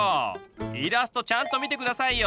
イラストちゃんと見て下さいよ！